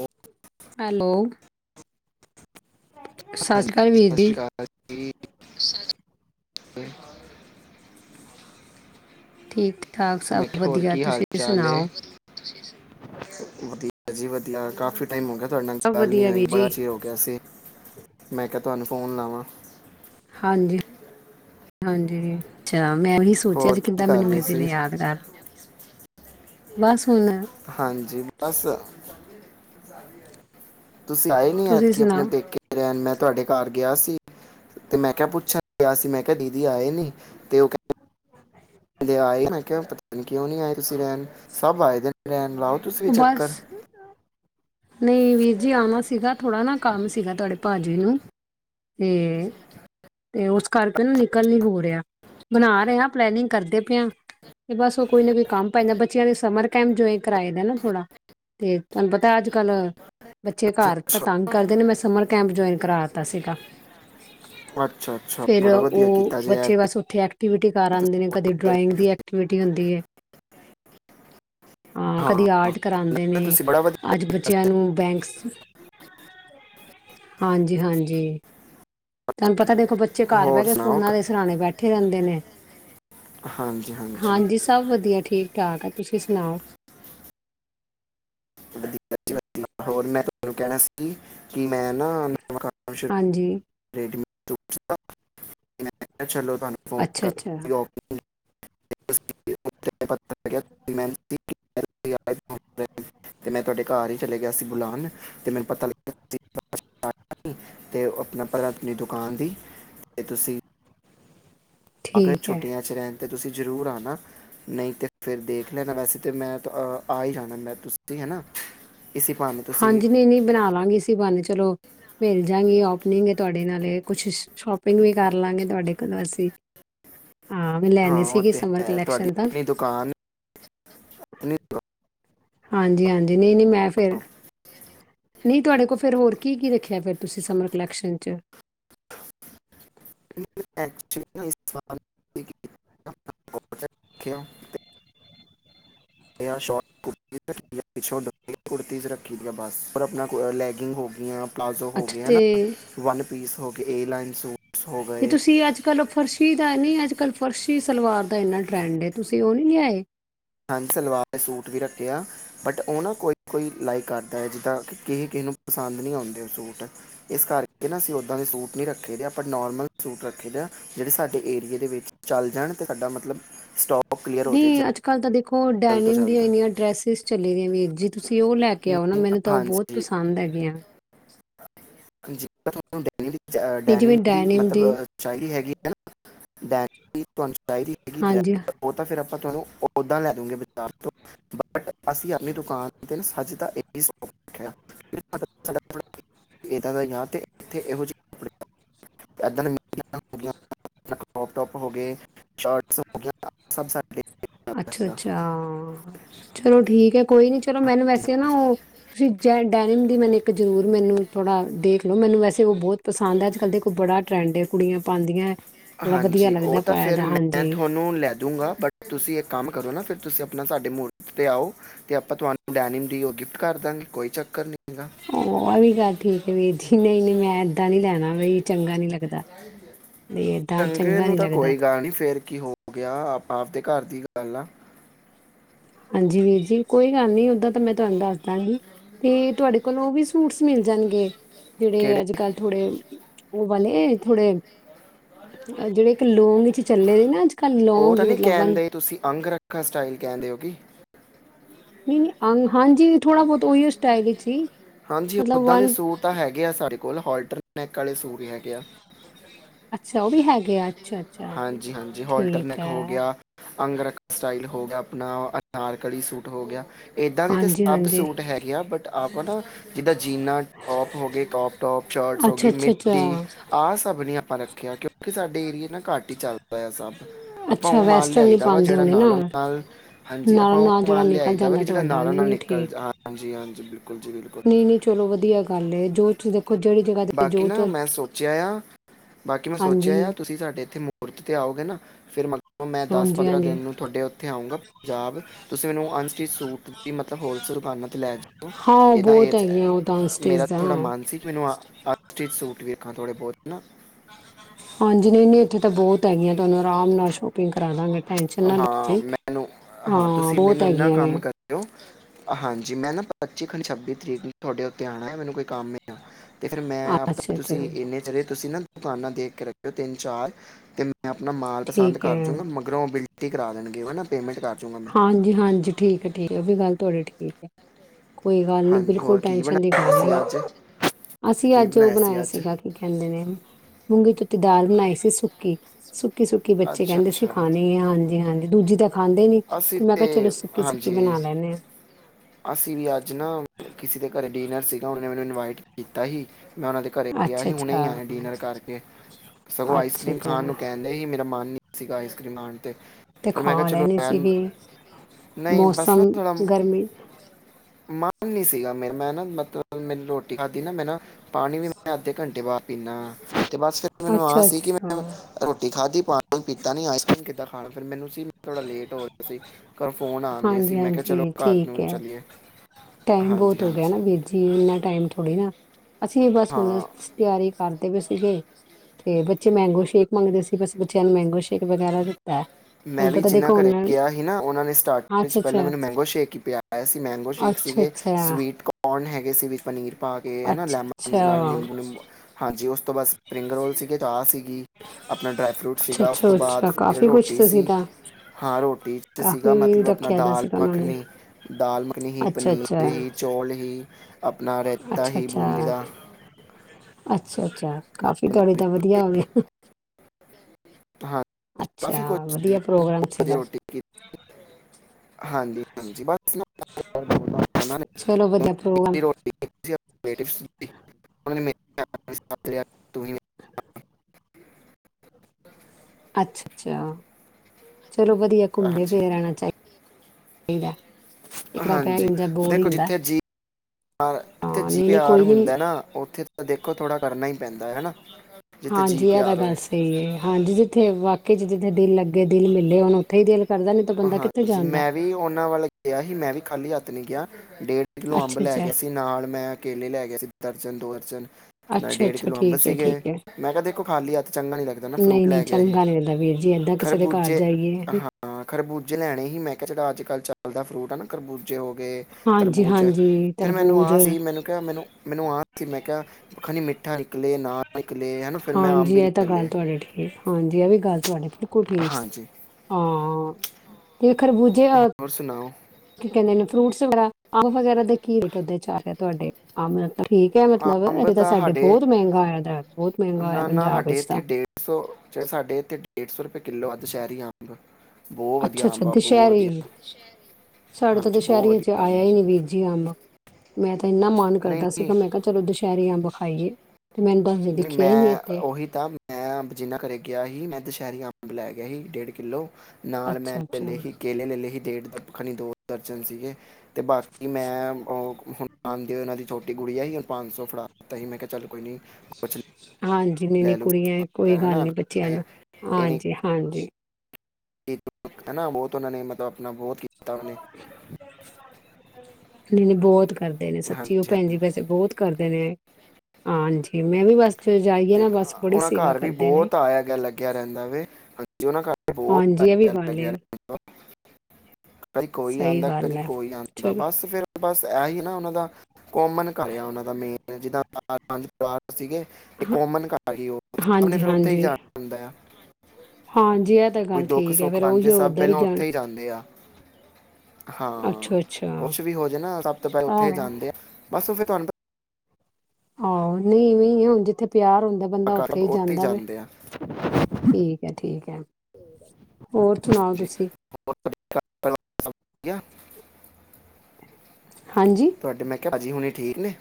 ਉਹ ਹੈਲੋ ਸਤਿ ਹਾਂਜੀ ਸ੍ਰੀ ਅਕਾਲ ਵੀਰ ਸਤਿ ਸ਼੍ਰੀ ਜੀ ਅਕਾਲ ਜੀ ਠੀਕ ਠਾਕ ਸਭ ਮੈਂ ਕਿਹਾ ਹੋਰ ਵਧੀਆ ਕੀ ਹਾਲ ਤੁਸੀਂ ਚਾਲ ਹੈ ਸੁਣਾਓ ਵਧੀਆ ਜੀ ਵਧੀਆ ਕਾਫੀ ਟਾਈ ਹੋ ਗਿਆ ਤੁਹਾਡੇ ਨਾਲ ਸਭ ਗੱਲ ਨੀ ਵਧੀਆ ਹੋਈ ਵੀਰ ਜੀ ਬੜਾ ਚਿਰ ਹੋ ਗਿਆ ਸੀ ਮੈਂ ਕ ਤੁਹਾਨੂੰ ਫ਼ੋਨ ਲਾਵਾਂ ਹਾਂਜੀ ਹਾਂਜੀ ਮੈਂਹੀ ਸੋਚਿਆ ਹੋਰ ਜੇ ਕੀ ਕਿੱਦਾਂ ਕਰ ਮੈਨੂੰ ਰਹੇ ਮੀਜ਼ੀ ਨੇ ਸੀ ਯਾਦ ਕਰ ਲਿਆ ਬਸ ਹੁਣ ਹਾਂਜੀ ਬਸ ਚ ਹੀ ਹੈ ਤੁਸੀਂ ਆਏ ਨੀ ਤੁਸੀਂ ਐਤਕੀ ਆਪਣੇ ਸੁਣਾਓ ਪੇਕੇ ਰਹਿਣ ਮੈਂ ਤੁਹਾਡੇ ਘਰ ਗਿਆ ਸੀ ਤੇ ਮੈਂ ਕਿਹਾ ਪੁੱਛਣ ਗਿਆ ਸੀ ਮੈਂ ਕਿਹਾ ਦੀਦੀ ਆਏ ਨ ਤੇ ਉਹ ਕਹਿੰ ਆਏਂ ਪਤਾ ਕਿਉਂ ਨਹੀਂੀ ਆਏ ਤੁਂ ਰਹਿਣ ਸਭ ਆਏ ਦੇ ਨੇ ਰਹਿਣ ਲਾਓ ਤੁਸੀ ਵੀ ਬਸ ਚੱਕਰ ਨਹੀਂ ਵੀਰ ਜੀ ਆਉਣਾ ਸੀਗਾ ਥੋੜ੍ਹਾ ਨਾ ਕੰਮ ਸੀਗਾ ਤੁਹਾਡੇ ਭਾਜੀੀ ਨੂੰ ਹਮ ਤੇ ਉਸ ਕਰਕੇ ਉਹਨੂੰ ਨਿਕਲ ਨੀ ਹੋ ਰਿਹਾ ਬਣਾ ਰਿਹਾ ਪਲੈਨਿੰਗ ਕਰਦੇ ਪਏਿਆ ਤੇ ਬਸ ਉਹ ਕੋਈ ਨਾ ਕੋਈ ਕੰਮ ਪੈਂਦਾ ਬੱਚਿਆਂ ਦੇ ਸਮਰ ਕੈਂਪ ਜੋ ਕਰਵਾਏ ਦਾ ਨਾ ਥੋੜਾ ਤੇ ਤੁਹਾਨੂੰ ਪਤਾ ਅੱਜ ਕਲ ਬੱਚੇ ਅੱਛਾ ਘਰ ਤਾਂ ਤੰਗ ਕਰਦੇ ਨੇ ਮੈਂ ਸਮਰ ਕੈਂਪ ਜੁਆਇਨ ਕਰਾ ਦਿੱਤਾ ਸੀਗਾ ਅੱਛਾ ਅੱਛਾ ਫੇਿਰ ਬੜਾ ਵਧੀਆ ਉਹ ਕੀਤਾ ਜੀ ਬੱਚੇ ਐਤਕੀ ਬਸ ਉੱਥੇ ਐਕਟੀਵਿਟੀ ਕਰ ਆਦੇ ਨੇ ਕਦੇ ਤੁਸੀਂ ਡਰਾਇੰਗ ਦੀ ਐਕਟੀਵ ਰਟੀ ਹੁੰਦੀ ਹੈ ਹਾਂ ਕਦੀ ਆਰਟ ਕਰਾਉਂਦੇ ਨੇ ਤੁਸੀਂ ਬੜਾ ਵਧੀਆ ਅੱਜ ਬੱਚਿਆਂ ਨੂੰ ਬੈਂਕਸ ਹਾਂਜੀ ਹਾਂਜੀ ਤੁਹਾਨੂੰ ਪਤਾ ਦੇਖੋ ਬੱਚੇ ਘਰ ਪਹਿ ਹੋਰ ਕੇ ਸੁਣਾਓ ਫੋਨਾਂ ਕ- ਦੇ ਸਰਾਣੇ ਬੈਠੇ ਰਹਿੰਦੇ ਨੇ ਹਾਂਜੀ ਸਭ ਵਧੀਆ ਠੀਕ ਕ ਆ ਤੁਸੀਂ ਸੁਣਾਓ ਵਧੀਆ ਹੋਰ ਮੈਂ ਤੁਹਾਨੂੰ ਕਹਿਣਾ ਸੀ ਕਿ ਮੈਂ ਨਾ ਮਕ ਹਾਂਜੀ ਸ਼ੁਰੂ ਰ ਚਲੋ ਤੁਾਨੂੰ ਫੋਨ ਅੱਛਾ ਕਰ ਅੱਛਾ ਯ ਮੈਂ ਤੁਹਾਡੇ ਘਰ ਹੀ ਚਲੇ ਗਿਆ ਸੀ ਬੁਲਾਨ ਤੇ ਮੈਨੂੰ ਪਤਾ ਲੱਗਿਆ ਅਤੇ ਉਹ ਆਪਣਾ ਭਲਾ ਆਪਣੀ ਦੁਕਾਨ ਦੀ ਤੇ ਤੁਸੀਂ ਠੀਕ ਹੈ ਅਗਰ ੁੱਟੀਆਂ 'ਚ ਰਹਿਿੰ ਅਤੇ ਤੁਸੀਂ ਜ਼ਰੂਰ ਆਉਣਾ ਨਹੀਂ ਤਾਂ ਫਿਰ ਦੇਖ ਲੈਣਾ ਵੈਸੇ ਤਾਂ ਮੈਂ ਆ ਹੀ ਜਾਣਾ ਤੁਸੀਂ ਹੈ ਨਾ ਇਸੇ ਬਹਾਨੇ ਤੁਸੀਂ ਹਾਂਜੀ ਨਹੀਂ ਨਹੀਂ ਬਣਾ ਲਾਂਗੇ ਅ ਭਾਨ ਚਲੋ ਮਿਲ ਜਾਗੇ ਓਪਨਿੰਗ ਤੁਹਾਡੇ ਨਾਲ ਕੁਛ ਸ਼ੋਪਿੰਗ ਵੀ ਕਰ ਲਵਗੇ ਤੁਹਾਡੇ ਕੋਲੋਂ ਅਸੀਂ ਹਾਂ ਮੈਂ ਲੈਣੇ ਉਹ ਸੀਗੀ ਤੇ ਸਮਰ ਹੈ ਤੁਹਾਡੀ ਕਲੈਕਸ਼ਨ ਤਾਂ ਆਪਣੀ ਦੁਕਾਨ ਆਪਣੀ ਹਾਂਜੀ ਹਾਂ ਨੀ ਨੀ ਮੈਂ ਫੇਰ ਦੁਕਾਨ ਨਹੀਂ ਤੁਹਾਡੇ ਕੋਲ ਫਿਰ ਹੋਰ ਕੀ ਕੀ ਰੱਖਿਆ ਫਿਰ ਤੁਸੀਂ ਸਮਰ ਕਲੈਕਸ਼ਨ ਚ। [inaudible] [inaudible] ਕੁੁਰਤੀ ਰੱਖੀ ਦੀ ਬਸ ਪਰ ਆਪਣਾ ਲੈਗਿੰਗ ਹੋ ਗਈਆਂ ਪਲਾਜ਼ੋ ਹੋ ਅੱਛਾ ਗਏ ਤੇ ਹਨਾ ਵੰਨ ਪੀਸ ਹੋ ਏ ਲਾਈਨ ਸੂ ਤੇ ਤੁਸੀਂ ਅੱਜ ਕੱਲ ਉਹ ਫਰਸ਼ੀ ਦਾ ਨੀ ਅੱਜ ਕੱਲ ਫਰਸ਼ੀ ਸਲਵਾਰ ਦਾ ਇੰਨਾ ਟਰੈਂਡ ਹੈ ਤੁਸੀਂ ਉਹ ਨੀ ਲਿਆਏ। ਹਾਂਜੀ ਸਲਵਾਰ ਵੀ ਸੂਟ ਵੀ ਰੱਖੇ ਆ ਬਟ ਉਹ ਨਾ ਕੋਈ-ਕੋਈ ਲਾਈਕ ਕਰਦਾ ਜਿੱਦਾਂ ਕਿ ਕਿਸੇ-ਕਿਸੇ ਨੂੰ ਪਸੰਦ ਨਹੀਂ ਆਉਂਦੇ ਸੂਟ ਇਸ ਕਰਕੇ ਨਾ ਅਸੀਂ ਉੱਦਾਂ ਦੇ ਸੂਟ ਨਹੀਂ ਰੱਖੇ ਦੇ ਆਪਾਂ ਨੋਰਮਲ ਸੂਟ ਰੱਖੇ ਦੇ ਆ ਜਿਹੜੇ ਸਾਡੇ ਏਰੀਏ ਦੇ ਵਿੱਚ ਚੱਲ ਜਾਣ ਅਤੇ ਸਾਡਾ ਮਤਲਬ ਸਟੋ ਨਹੀਂ ਅੱਜ ਕੱਲ ਤਾਂ ਦੇਖ ਹੋ ਤੋਂ ਡਾਇਨਮ ਜਲਦ ਦੀਆਂ ਇੰਨੀਆਂ ਡਰੈਸਿਸ ਚੱਲ ਦੀਆਂ ਵੀਰ ਜੀ ਤੁਸੀਂ ਉਹ ਲੈ ਕੇ ਆਓ ਨਾ ਨਹੀਂ, ਮੈਨੂੰ ਤਾਂ ਉਹ ਬਹੁਤ ਹਾਂਜੀ ਪਸੰਦ ਹੈਗੀਆਂ। [inaudible] ਨਹੀਂ ਡੈਨੀ ਜਿਵੇਂ ਦੀ ਡੈਨੀਮ ਮਤਲਬ [inaudible] ਹੈਗੀ ਹੈ ਨਾ। ਡੈ [inaudible] ਚਾਹੀ ਹੈਗੀ ਹਾਂਜੀ [inaudible] ਉਹ ਤਾਂ ਫਿਰ ਆਪ ਆਪਾਂ ਤੁਹਾਨੂੰ ਓਦਾਂ ਲੈ ਦੂੰਗੇ [inaudible] ਬਟ ਅਸੀਂ ਆਪਣੀ ਦੁਕਾਨ [inaudible] ਜੀ ਅੱਛਾ-ਅੱਛਾ ਚਲੋ ਠੀਕ ਹੈ ਕੋਈ ਨੀ ਚਲੋ ਮੈਨੂੰ ਵੈਸੇ ਨਾ ਉਹ ਤੁਸੀਂ ਜ ਡੈਨਮ ਦੀ ਮੈਨ ਇੱਕ ਜ਼ਰੂਰ ਮੈਨੂੰ ਥੋੜਾ ਦੇਖ ਲੋ ਮੈਨੂੰ ਵੈਸ ਉਹ ਬਹੁਤ ਪਸੰਦ ਹੈ ਅੱਜ ਕੱਲ੍ਹ ਦੇਖੋ ਬੜਾ ਟਰੈਂਡ ਹੈ ਕੁੜੀਆਂ ਪਾਦੀਆਂ ਬੜਾ ਵਧੀਆ ਹਾਂਜੀ ਉਹ ਲੱਗਦਾ ਤਾਂ ਪਾਇਆ ਫਿਰ ਦਾ ਮੈਂ ਹਾਂਜੀ। ਤੁਹਾਨੂੰ ਲੈ ਦੂੰਗਾ ਬਟ ਤੁਸੀਂ ਇੱਕ ਕੰਮ ਕਰੋ ਨਾ ਫਿਰ ਤੁਸੀਂ ਆਪਣਾ ਸਾਡੇ ਮੂਰਤ ਤੇ ਆਓ ਅਤੇ ਆਪਾਂ ਤੁਹਾਨੂੰ ਡੈਨਮ ਦੀ ਉਹ ਗਿਫਟ ਕਰ ਦਾਂਗੇ ਕੋਈ ਚੱਕਰ ਨਹੀਂ। ਹ ਇਹ ਵੀ ਗੱਲ ਠੀਕ ਹੈ ਵੀਰ ਜੀ ਨਹੀਂ ਨਹੀਂ ਮੈਂ ਏਦਾਂ ਨੀ ਲੈ ਬਈ ਚੰਗਾ ਨੀ ਲੱਗ ਚੰਗੇ ਨੂੰ ਨੀ ਤਾਂ ਲੱਗਦਾ ਕੋਈ ਗੱਲ ਨੀ ਫੇਰ ਕੀ ਹੋ ਗਿਆ ਆਪ ਆਪਦੇ ਘਰ ਦੀ ਗ ਗੱਲ ਆ। ਹਾਂਜੀ ਵੀਰ ਜੀ ਕੋਈ ਗੱਲ ਨੀ ਓਦਾਂ ਤਾਂ ਮੈਂ ਤੁਹਾਨੂੰ ਦੱਸ ਦਾਂਗੀ। ਤੇ ਤੁਹਾਡੇ ਕੋਲੋਂ ਉਹ ਵੀ ਫੂਟਸ ਮਿਲ ਜਾਣਗੇ। ਕਿਹੜੇ ਜਿਹੜੇ ਅੱਜ ਕੱਲ੍ਹ ਥੋੜੇ ਉਹ ਵਾਲੇ ਥੋੜੇ ਜਿਹੜੇ ਇੱਕ ਲੋਂਗ ਵਿੱਚ ਚੱਲੇ ਦੇ ਨਾ ਕੱਲ੍ਹ ਉਹ ਲੌਂਗ ਤਾਂ ਨੀ ਮਤਲਬ ਵਨ ਕਹਿੰਦੇ ਤੁਸੀਂ ਅੰਗ ਰੱਖਾ ਸਟਾਈਲ ਕਹਿਣਦੇ ਹੋ ਕਿ ਨਹੀਂ ਨਹੀਂ ਅੰਗ ਹਾਂਜੀ ਥੋੜ੍ਹਾ ਬਹੁਤ ਉਹੀ ਸਟਾਈਲ ਵਿੱਚ ਹੀ ਹਾਂਜੀ ਮਤਲਬ ਉੱਦਾਂ ਦੇ ਵਨ ਸੂਰ ਤਾਂ ਹੈਗੇ ਆ ਸਾਡੇ ਕੋਲ ਹੋਲਟਰਨੈਕ ਵਾਲੇ ਸਟ ਹੈਗੇ ਆ ਅੱਛਾ ਉਹ ਵੀ ਹੈਗੇ ਆ ਅੱਛਾ ਅੱਛਾ ਹਾਂਜੀ ਠੀਕ ਹੈ ਅੰਗ ਰੱਖ ਸਟਾਈਲ ਹੋ ਗਿਆ ਆਪਣਾ ਅਨਾਰ ਕੜੀ ਸੂਟ ਹੋ ਗਿਆ ਇੱਦਾਂ ਦੇ ਤਾਂ ਹਾਂਜੀ ਸਭ ਹਾਂਜੀ ਸੂਟ ਹੈਗੇ ਆ ਬਟ ਆਪਾਂ ਨਾ ਜਿੱਦਾਂ ਜੀਨਾਂ ਟੋਪ ਹੋ ਗਏ ਕੋਪ ਟੋਪ ਸ਼ਰਟਸ ਹੋ ਅੱਛਾ ਗਈ ਅੱਛਾ ਮਿਡੀ ਅੱਛਾ ਆਹ ਸਭ ਨਹੀਂ ਆਪਾਂ ਰੱਖ ਕਿਉਂਕਿ ਸਾਡੇ ਏ ਨਾ ਘੱਟ ਹੀ ਚੱਲਦਾ ਆ ਸਭ ਆਪਾਂ ਉਹ ਅੱਛਾ ਮਾਲ ਵੈਸਟਰਨ ਲਿਆਈ ਨਹੀਂ ਦਾ ਵਾ ਪਾਉਂਦੇ ਜਿਹੜਾ ਹੋਣੇ ਨਾ ਨਾਲੋਂ ਨਾਲ ਹਾਂਜੀ ਆਪਾਂ ਨਾਲ ਉਹ ਨਾਲ ਜਿਹੜਾ ਮਾਲ ਨਿਕਲ ਲਿਆਈ ਦਾ ਵਾ ਜਾਂਦਾ ਕਿ ਜਿਹੜਾ ਤੁਹਾਡਾ ਨਾਲੋਂ ਨਹੀਂ ਨਾਲ ਨਹੀਂ ਨਿਕਲ ਠੀਕ ਹੈ। ਹਾਂਜੀ ਹਾਂਜੀ ਬਿਲਕੁਲ ਜੀ ਬਿਲਕੁਲ ਕੁੱਝ ਜਿਹੜੀ ਜਗ੍ਹਾ ਤੇ ਜੋ ਨਾ ਚ ਬਾਕੀ ਮੈਂ ਸੋਚਿਆ ਆ ਤੁਸੀਂ ਸਾਡੇ ਇੱਥੇ ੁਰਤ ਤੇ ਆਓਗੇ ਨਾ ਫਿਰ ਮ ਮੈਂ ਦਸ ਹਾਂਜੀ ਪੰਦਰਾਂ ਹਾਂਜੀ ਦਿਨ ਨੂੰ ਤੁਹਾਡੇ ਉੱਥੇ ਆਊਂਗਾ ਪੰਜਾਬ ਤੁਸੀਂ ਮੈਨੂੰ ਅਨਸਟਿਚ ਸੂਟ ਦੀ ਮਤਲਬ ਹੋਲਸੇਲ ਦੁਕਾਨਾਂ 'ਤੇ ਲੈ ਜਾਇਓ ਹਾਂ ਉਹ ਇਹਦਾਂ ਇਹ ਬਹੁਤ ਹੈਗੀਆਂ ਉਹ ਤਾਂ ਮੇਰਾ ਸਟੇਜ ਥੋੜ੍ਹਾ ਦਾ ਮਨ ਸੀ ਕਿ ਮੈਨੂੰ ਆ ਿ ਸੂਟ ਵੇਖਾਂ ਥੋੜੇ ਬਹੁਤ ਨਾ ਹਾਂਜੀ ਨਹੀਂ ਨਹੀਂ ਇੱਥੇ ਤਾਂ ਬਹੁਤ ਹੈਗੀਆਂ ਤੁਹਾਨੂੰ ਆਰਾਮ ਨਾਲ ਸ਼ੋਪਿੰਗ ਕਰਾਾਂ ਮ ਟੈਸ਼ਨ ਨਾ ਲਓ ਹਾਂ ਤੁਹੀ ਮੈਨੂੰ ਹਾਂ ਤੁਸੀਂ ਬਹੁਤ ਮੈਨੂੰ ਹੈਗੀ ਇੰਨਾ ਆ ਵੈ ਕੰਮ ਕਰਿਓ ਹਾਂਜੀ ਮੈਂ ਨਾ ਪੱਚੀ ਖ ਛੱਬੀ ਤਰੀਕ ਨੂੰ ਤੁਹਾਡੇ ਉੱਤੇ ਆਉਣਾ ਹੈ ਮੈਨੂੰ ਕੋਈ ਕੰਮ ਹੀ ਆ ਅਤੇ ਫਿਰ ਮੈਂ ਅੱਛਾ ਆਪਾਂ ਅੱਛਾ ਤੁਸੀਂ ਇੰਨੇ ਚਲੇ ਤੁਸੀਂ ਨਾ ਦੁਕਾਨਾਂ ਦੇ ਰੱਖ ਤਿੰਨ ਚਾਰ ਤੇਿੰ ਮੈਂ ਆਪਣਾ ਮਾਲ ਪਸੰਦ ਠੀਕ ਹੈ ਕਰ ਜੂੰਗਾ ਮਗਰੋਂ ਉਹ ਬਿਲ ਕਰਾ ਦੇਣਗੇ ਹਨਾ ਪੇਮੈਂਟ ਕਰ ਜੂੰਗਾ ਮੈਂ ਹਾਂਜੀ ਹਾਂਜੀ ਠੀਕ ਹੈ ਠੀਕ ਉਹ ਵੀ ਗੱਲ ਤੁਹਾਡੀੇ ਠੀਕ ਹੈ ਕੋਈ ਗੱਲ ਨਹੀਂ ਹਾਂਜੀ ਬਿਲਕੁਲ ਹੋਰ ਕੀ ਟੈਸ਼ਨ ਦੀ ਬਣਾਇਆ ਗੱਲ ਸੀ ਨੀ ਹੈ ਅੱਜ ਅਸੀਂ ਕੀ ਅੱਜ ਉਹ ਸੀ ਬਣਾਇਆ ਅੱਜ ਸੀਗਾ ਕੀ ਕਹਿੰਦੇ ਨੇ ਮੂੰਗੀ ਤੋਂ ਦਾਲ ਬਣਾਈ ਸੀ ਸੁੱਕੀ ਸੁੱਕੀ ਸੁੱਕੀ ਸੁੱਕੀ ਬੱਚੇ ਅੱਛਾ ਕਹਿੰਦੇ ਸੀ ਅੱਛਾ ਖਾਣੇ ਆ ਹਾਂਜੀ ਹਾਂਜੀ ਦੂਜੀ ਤਾਂ ਖਾਂਦੇ ਨੀ ਤੇ ਮੈਂ ਕਿਹਾ ਚਲੋ ਸੁੱਕੀ ਸੁੱਕੀ ਹਾਂਜੀ ਬਣਾ ਲੈਂੇ ਆਾਂ ਅਸੀਂ ਵੀ ਅੱਜ ਨਾ ਕਿਸੇ ਦੇ ਘਰੇ ਡਿਨਰ ਸੀਗਾ ਉਹਨੇ ਮੈਨੂੰ ਇਨਵਾਈਟ ਕੀਤਾ ਸੀ ਮੈਂ ਉਹਨਾਂ ਦੇ ਘਰੇ ਗਿਆ ਅੱਛਾ ਸੀ ਹੁਣੇ ਹੀ ਅੱਛਾ ਆਏ ਡਿਨਰ ਕਰਕੇ ਸਗੋਂ ਆਈਸ ਅੱਛਾ ਕਰ੍ਰੀਮ ਖਾਣ ਅੱਛਾ ਨੂੰ ਕਹਿੰਦੇ ਹੀ ਮੇਰਾ ਮਨ ਨਹੀਂ ਸੀਂਗਾ ਆਈਸ ਕਰ੍ਰੀਮ ਆਉਣ ਤੇ ਖਾ ਲੈਣੀ ਸੀਗੀ ਨਹੀਂ ਬਸ ਨਾ ਮੌਸਮ ਥੋੜਾ ਗਰਮੀ ਮਨ ਨੀ ਸੀਗਾ ਮੇ ਮੈਂ ਨਾ ਮਤਲਬ ਮ ਰੋਟੀ ਖਾਧੀ ਨਾ ਮੈਂ ਨਾ ਪਾਣੀ ਵੀ ਮੈਂ ਅੱਧੇ ਘੰਟੇ ਬਾਅਦ ਪੀਨਾ। ਤੇ ਬਸ ਫਿਰ ਮੈਨੂੰ ਆ ਅੱਛਾ ਸੀ ਕਿ ਅੱਛਾ ਮੈਂ ਰੋਟੀ ਖਾਧੀ ਪਾਣੀ ਪੀਤਾ ਨ ਆਈਸ ਕਰ੍ਰੀਮ ਕਿੱਦਾਂ ਖਾਣਾ ਫਿਰ ਮੈਨੂੰ ਸੀ ਥੋੜ੍ਹਾ ਲੇਟ ਹੋ ਰਿਹਾ ਸੀ ਘਰ ਫੋਨ ਆਣ ਡੇ ਸੀ ਹਾਂਜੀ ਮੈਂ ਕਿਆ ਚਲੋ ਹਾਂਜੀ ਘਰ ਨੂੰ ਚੱਲੀਏ [inaudible] ਟਾਈਮ ਹਾਂਜੀ ਬਹੁਤ ਹੋ ਗਿਆ ਹਾਂਜੀ ਨਾਂ ਵੀਰ ਜੀ, ਇੰਨਾ ਟਾਈਮ ਥੋੜ੍ਹੀ ਨਾਂ। [unintelligible] ਅਸੀਂ ਬਸ ਹੁਣ ਹਾਂ ਤਿਆਰੀ ਕਰਦੇ ਪਏ ਸੀਗੇ। ਤੇ ਬੱਚੇ ਮੈਂਗੋ ਸ਼ੇਕ ਮੰਗਦੇ ਸੀ ਬਸ ਬ ਚਿਆਂ ਨੂੰ ਮੈਂਗੋ ਸ਼ੇਕ ਵਗੈਰਾ ਦਿੱਤਾ। ਮੈਂ ਤੁਹਾਨੂੰ ਵੀ ਪਤਾ ਜਿੰਨ੍ਹਾਂ ਦੇਖੋ ਘਰੇ ਹੁਣ ਗਿਆ ਹੀ ਨਾਂ, ਉਹਨਾਂ ਨੇ ਸਟਾਰਟਰ ਵਿੱਚ ਅੱਛਾ ਪਹਿਲਾਂ ਅੱਛਾ ਮੈਨੂੰ ਮੈਂਗੋ ਸ਼ੇਕ ਹੀ ਪਿਆਇਆ ਸੀ, ਮੈਂਗੋ ਸ਼ੇਕ ਅੱਛਾ ਸੀਗੇ ਅੱਛਾ ਸਵੀਟ ਕੋਰਨ ਹੈਗੇ ਸੀ ਵੀ ਪਨੀਰ ਪਾ ਕੇ ਹੈ ਅੱਛਾ ਨਾ ਲੈਮਨ ਨਾਲ ਅੱਛਾ ਨਿੰਬੂ ਨਿੰਬੂ ਹਾਂਜੀ ਉਸਤੋਂ ਤੋਂ ਬਸ ਸਪਰਿੰਗ ਰੋਲ ਸੀਗੇ, ਚਾਹ ਸੀਗੀ। ਆਪਣਾ ਡਰਾਈ ਫਰੂਟ ਅੱਛਾ ਸੀਗਾ ਉਸ ਤੋਂ ਅੱਛਾ ਬਾਅਦ ਅੱਛਾ ਫਿਰ ਰੋਟ ਕਾਫੀ ਕੁਛ ਰੋਟੀ ਤੁਸੀਂ ਸੀ ਤਾਂ ਹਾਂ ਰੋਟੀ ਚ ਸੀਗਾ ਕਾਫੀ ਵੀ ਮਤਲਬ ਆਪਣਾ ਰੱਖਿਆ ਦਾ ਦਾਲ ਸੀਗਾ ਉਹਨਾਂ ਨੇ ਮੱਖਣੀ, ਦਾਲ ਮੱਖਣੀ ਹੀ ਅੱਛਾ ਪਨੀਰ ਅੱਛਾ ਹੀ ਚੌਲ ਹੀ ਆਪਣਾ ਰਾਇਤਾ ਅੱਛਾ ਹੀ ਅੱਛਾ ਬੂੰਦੀ ਦਾ। ਅੱਛਾ ਅੱਛਾ। ਨਾਲ ਕਾਫੀ ਤੁਹਾਡੇ ਤੰਦੂਰੀ ਤਾਂ ਫੁਲਕੇ ਵਧੀਆ ਹੋ ਗਏ। [unintelligible] ਹਾਂ ਅੱਛਾ ਕਾਫੀ ਕੁਝ ਸੀ ਵਧੀਆ ਪ੍ਰੋਗਰਾਮ ਵਧੀਆ ਸੀਗਾ। ਰੋਟੀ ਕੀ ਹਾਂਜੀ ਹਾਂਜੀ ਬਸ [inaudible] ਚਲੋ ਵਧੀਆ ਉਹਨਾਂ ਪ੍ਰੋਗਰਾਮ ਦੀ ਰੋਟੀ [inaudible] ਅੱਛਾ ਅੱਛਾ। ਚਲੋ ਵਧੀਆ ਘੁੰਮਦੇ ਹਾਂਜੀ ਫਿਰਦੇ ਰਹਿਣਾ ਚਾਹੀ [inaudible] ਏਵੈ ਹਾਂਜੀ ਦੇਖੋ, ਜਿੱਥੇ ਜੀ ਜਥੇ ਹਾਂ ਜੀ ਨਹੀਂ ਨਹੀਂ ਪਿਆਰ ਕੋਈ ਨੀ ਹੁੰਦਾ ਨਾ ਉੱਥੇ ਤਾਂ ਦੇਖੋ ਥੋੜ੍ਹਾ ਕਰਨਾ ਹੀ ਪੈਂਦਾ। ਹੈ ਨਾ ਜਿੱਥੇ ਜੀ ਹਾਂਜੀ [inaudible] ਇਹ ਤਾਂ ਪਿਆਰ ਗੱਲ ਹੋਏ ਸਹੀ ਐ ਹਾਂਜੀ ਜਿੱਥੇ ਵ ਜਿੱਥੇ ਦਿਲ ਲੱਗੇ ਦਿਲ ਮਿਲੇ ਹੁਣ ਉੱਥ ਹੀ ਦਿਲ ਕਰਦਾ ਨਹੀਂ ਤਾਂ ਬੰਦਾ ਹਾਂ ਕਿੱਥੇ ਜੀ ਜਾਂਦਾ ਮੈਂ ਵੀ ਉਹਨਾਂ ਵੱਲ ਗਿਆ ਹੀ ਮੈਂ ਵੀ ਖਾਲੀ ਹੱਥ ਨੀ ਗਿਆ। ਡੇਢ ਕਿਲੋ ਅੰਬ ਅੱਛਾ ਲੈ ਅੱਛਾ ਗਿਆ ਸੀ ਨਾਲ ਮੈਂ ਕੇਲੇ ਲੈ ਗਿਆ ਸੀ ਦਰਜਨ ਦੋ ਦਰਜਨ ਨਾਲ ਅੱਛਾ ਡੇਢ ਅੱਛਾ ਕਿੱਲੋ ਅੰਬ ਠੀਕ ਹੈ ਸੀਗੇ। ਠੀਕ ਹੈ ਮੈਂ ਕਿਹਾ ਦੇਖੋ ਖਾਲੀ ਹੱਥ ਚੰਗਾ ਨਈਂ ਲੱਗਦਾ ਨਾ ਨਹੀਂ ਫਰੂਟ ਨਹੀਂ ਲੈ ਗਿਆ ਸੀ ਚੰਗਾ ਨੀ ਲੱਗਦਾ ਵੀਰ ਜੀ ਏਦਾਂ ਕਿਸੇ ਦੇ ਘਰ ਖਰਬੂਜੇ। ਜਾਈਏ ਹਨਾ। ਹਾਂ। ਕਰਰਬੂਜੇ ਲੈਣੇ ਹੀ ਮੈਂ ਕਿਹਾ ਜਿਹੜਾ ਅੱਜ ਕੱਲ ਚ ਦਾ ਫਰੂਟ ਨਾ ਕਰਰਬੂਜ ਉੱਚੇ ਹੋ ਗਏ ਹਾਂਜੀ ਤਰਬੂਜ ਹਾਂਜੀ ਫਿਰ ਮੈਨੂੰ ਤਰਬੂਜ ਆਹ ਸੀ ਮੈਨੂੰ ਕਿਹਾ ਮੈਨੂੰ ਮੈਨੂੰ ਆ ਸੀ ਮੈਂ ਕਿਹਾ ਖਣੀ ਮਿੱਠਾ ਲੇ ਨਾ ਨਿਕਲੇ ਹਨਾ ਫਿਰ ਮੈਂ ਆਮ ਹਾਂਜੀ ਵੀ ਇਹ ਤਾਂ ਲੈ ਗੱਲ ਲਏ ਤੁਹਾਡੀੇ ਠੀਕ ਹਾਂਜੀ ਇਹ ਵੀ ਗੱਲ ਤੁਹਾਡੀ ਬਿਲਕੁਲ ਠੀਕ ਹਾਂਜੀ ਹਾਂ ਤੇਖਰਬੂਜੇ ਅ ਹੋਰ ਸੁਣਾਓ ਕੀ ਕਹਿੰਦੇ ਨੇ ਫਰੂਟਸ ਵਗੈਰਾ ਅੰਬ ਵਗੈਰਾ ਦੇ ਕੀ ਰੇਟ ਦੇ ਚ ਆਹੇ ਆ ਤੁਹਾਡੇ ਅ ਅੰਬ ਤਾਂ ਸਾਡੇ ਮਹਿੰਗਾ ਹੋਇਆ ਦਾ ਬਹੁਤ ਮਹਿੰਗਾ ਹੋਇਆ ਨਾ ਨਾ ਪੰਜਾਬ ਸਾਡੇ ਵਿੱਚ ਇੱਥੇ ਤਾਂ ਡੇਢ ਸੌ ਸਾਡੇ ਇੱਥੇ ਡੇਢ ਸੌ ਰੁਪਏ ਕਿੱਲੋ ਦੁਸ਼ਹਿਰੀ ਆਬ ਅੱਛਾ ਅੱਛਾ ਦੁਸਹਿਰੇ ਸਾਡੇ ਤਾਂ ਹਾਂਜੀ ਬਹੁਤ ਦੁਸਹਿਰੇ ਅਜੇ ਵਧੀਆ ਅੰਬ ਆਇਆ ਹੀ ਨਹੀਂ ਵੀਰ ਜੀ ਅੰਬਕ ਮੈਂ ਇੰਨਾ ਮਨ ਨਹੀਂ ਕਰਦਾ ਨਹੀਂ ਸੀਗਾ ਮੈਂ ਕਿਹਾ ਚਲੋ ਦੁਸਹਿਰੇ ਆਬ ਆਈਏ ਨਹੀਂ ਮੈਂ ਉਹੀ ਤਾਂ ਮੈਂ ਜਿੰਨਾ ਘਰੇ ਗਿਆ ਸੀ ਮੈਂ ਦੁਸਹਿਰੀ ਬਲੈਕ ਗਿਆ ਸੀ ਡੇਢ ਕਿੱਲੋ ਨਾਲ ਮੈਂ ਅੱਛਾ ਅੱਛਾ ਲੈੇ ਹੀ ਕੇਲੇ ਲੈੇ ਹੀ ਦੇੜ ਦਪੱਖਣੀ ਦੋ ਦਰਜਨ ਸੀਗੇ ਅਤੇ ਬਾਕੀ ਮੈਂ ਉਹ ਹੁਣ ਆ ਦਿਓ ਉਹਨਾਂ ਦੀ ਛੋਟੀ ਗੜੀ ਆ ਸੀ ਹੁਣ ਪੰਜ ਸੌ ਫੜਾ ਦਿੱਤਾ ਸੀ ਮੈਂ ਕਿਹਾ ਚੱਲ ਕੋਈ ਨਹੀਂ ਕੁਛ ਹਾਂਜੀ ਨਨੀੀ ਕੁੜੀਆਂ ਕੋਈ ਗੱਲ ਨੀ ਬੱਚਿਆਂ ਨੂੰ ਹਾਂਜੀ ਹਾਂਜੀ ਹਨ ਨਾ ਉਹ ਉਹਨਾਂ ਨੇ ਮਤਲਬ ਆਪਣਾ ਬਹੁਤ ਤਣੇ ਨਹੀਂ ਬਹੁਤ ਕਰਦੇ ਨੇ ਸੱਚੀ ਉਹ ਭੈਣ ਜੀ ਵੈਸੇ ਬਹੁਤ ਕਰਦੇ ਨੇ ਹਾਂਜੀ ਫ ਮੈਂ ਵੀ ਬਸ ਜੋ ਜਾਈਏ ਨਾ ਬਸ ਬੜੀ ਉਹ ਸੇਵਾ ਘਰ ਵੀ ਕਰਦੇ ਨੇ ਬਹੁਤ ਆਇਆ ਗਿਆ ਲੱਗਿਆ ਰਹਿੰਦਾ ਵ ਹਾਂਜੀ ਉਹ ਘਰ ਵੀ ਬਹੁਤ ਹਾਂਜੀ ਇਹ ਵੀ ਆ ਗੱਲ ਲਗਦਾ ਏ ਕਦੀ ਕੋਈ ਸਹੀ ਆਉਂਦਾ ਕਦੀ ਗੱਲ ਹੈ ਕੋਈ ਆਉਂਦਾ ਚਲੋ ਬਸ ਫੇਿਰ ਬਸ ਇਹ ਹੀ ਨਾ ਉਹਨਾਂ ਦਾ ਕੋਮਨ ਕਰਰਿਆ ਉਹਨਾਂ ਦਾ ਮੇਨ ਜਿੱਦਾਂ ਪੰਜ ਪਰਿਵਾਰ ਸੀਗੇ ਕੋਮਨ ਘਰ ਉਹ ਹਾਂਜੀ ਫ ਉੱਥੇ ਹੀ ਹਾਂਜੀ ਜਾਣਾ ਹੁੰਦਾ ਆ ਹਾਂਜੀ ਇਹ ਤਾਂ ਕੋਈ ਗੱਲ ਦੁੱਖ ਠੀਕ ਹੈ ਸੁੱਖ ਫੇਿਰ ਉ ਬਣ ਜ ਜੇ ਸਭ ਉੱਧਰ ਹੀ ਪਹਿਲਾਂ ਜਾਣ ਉੱਥੇ ਜਾਂਦੇ ਆ ਹਾਂ ਅੱਛਾ ਅੱਛਾ ਕੁਛ ਵੀ ਹੋ ਜਾੇ ਨਾ ਸਭ ਤੋਂ ਪੈ ਉੱਥੇ ਆਹੋ ਜਾਂਦੇ ਆ ਬਸ ਫਿਰ ਧਹਨਵਾਦ ਆਹੋ ਨਹੀਂ ਨਹੀਂ ਹੁਣ ਜਿੱਥੇ ਪਿਆਰ ਹੁੰਦਾ ਬੰਦਾ ਪਤਾ ਉੱਥੇ ਸਭ ਹੀ ਜਾਂਦਾ ਵ ਜਾਂਦੇ ਆ ਠੀਕ ਹੈ ਠੀਕ ਹੈ ਹੋਰ ਸੁਣਾਓ ਜੀ ਤੁਸੀਂ ਹੋਰ ਤੁਹਾਡੇ ਘਰ ਪਰਿਵਾਰ ਸਭ ਗਿਆ ਹਾਂਜੀ ਤੁਹਾਡੇ ਮੈਂ ਕਿਹਾ ਭਾਜੀ ਹੁਣੀ ਠੀਕ ਨੇ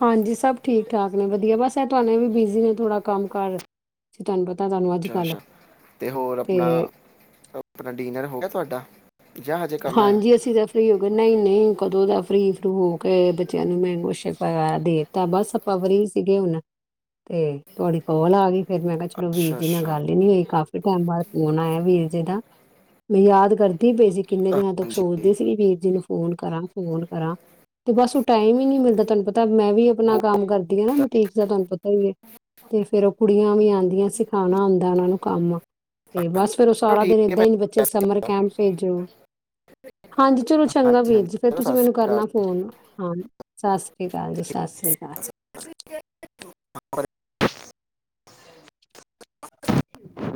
ਹਾਂਜੀ ਸਭ ਠੀਕ ਠਾਕ ਨੇ ਵਧੀਆ ਬਸ ਇਹ ਤੁਹਾਨੇ ਵੀ ਬਿਜ਼ੀ ਨੇ ਥੋੜਾ ਕੰਮ ਕਰ ਤੁਹਨੂੰ ਪਤਾ ਤੁਹਾਨੂੰ ਅੱਜ ਅੱਛਾ ਕੱਲ ਅੱਛਾ ਤੇ ਹੋਰ ਆਪਣਾ ਆਪਣਾ ਡਿਨਰ ਹੋ ਗਿਆ ਤੁਹਾਡਾ ਜਾਂ ਹਜੇ ਕਰਨਾ ਹੈ ਹਾਂਜੀ ਅਸੀਂ ਤਾਂੈ ਫਰ ਹੀ ਹੋ ਗਏ ਨਹੀਂ ਨਹੀਂ ਕਦੋਂ ਦਾ ਫਰੀ ਫਲੂ ਹੋ ਕੇ ਬੱਚਿਆਂ ਨੂੰ ਮੈਂ ਕੁਛ ਦੇਤਾ ਬਸ ਆਪਾਂ ਫਰੀ ਸੀਗੇ ਹੁਣ ਤੇ ਤੁਹਾਡੀ ਕੋਲ ਆ ਗਈ ਫਿਰ ਮੈਂ ਕਿਹਾ ਚਲੋ ਵੀਰ ਅੱਛਾ ਜੀ ਨਾਲ ਅੱਛਾ ਗੱਲ ਹੀ ਨੀ ਹੋਈ ਕਾਫੀ ਟਾਈਮ ਬਾਅਦ ਫੋਨ ਆਇਆ ਵੀਰ ਜੀ ਦਾ ਮੈਂ ਯਾਦ ਕਰਦੀ ਪਏ ਸੀ। ਕਿੰਨੇ ਦਿਨਾਂ ਤੋਂੱਕ ਹਾਂਜੀ ਸੋਚਦੇ ਸੀਗੇ ਵੀਰ ਜੀ ਨੂੰ ਫੋਨ ਕਰਾਂ, ਫੋਨ ਕਰਾਂ, ਤੇ ਬਸ ਟਾਈਮ ਹੀ ਨਹੀਂ ਮਿਲਦਾ। ਤੁਹਾਨੂੰ ਪਤਾ ਮੈਂ ਵੀ ਆਪਣਾ ਬਹੁਤ ਕੰਮ ਕਰਦੀ ਹਾਂ ਨਾ-ਬਟੀਕ ਦਾ। ਤੁਹਾਨੂੰ ਪਤਾ ਹੀ ਹੈ। ਤੇ ਫੇਰ ਉਹ ਕੁੜੀਆਂ ਵੀ ਆਉਂਦੀਆਂ ਸਿਖਾਉਣਾ ਆਉਂਦਾ ਉਹਨਾਂ ਨੂੰ ਕੰਮ। ਤੇ ਬਸ, ਫੇਰ ਉਹ ਚਲੋ ਸਾਰਾ ਠੀਕ ਦਿਨ ਹੈ ਏਦਾਂ ਹੀ-ਬੱਚੇ ਭੈਣ ਜੀ, ਸਤਿ ਸਮਰ ਕੈਂਪ ਵਿਚ। ਸ਼੍ਰੀ ਅਕਾਲ। ਹਾਂਜੀ, ਚਲੋ ਚੰਗਾ ਹਾਂਜੀ ਵੀਰ ਹਾਂਜੀ ਜੀ। ਫਿਰ ਚਲੋ ਤੁਸੀਂ ਸਤਿ ਮੈਨੂੰ ਸ਼੍ਰੀ ਕਰਨਾ ਫ਼ੋਨ ਹਾਂ, ਸਤਿ ਸ੍ਰੀ ਅਕਾਲ ਜੀ, ਸਤਿ ਸ੍ਰੀ ਅਕਾਲ। [unintelligible] ਅਕਾਲ [inaudible]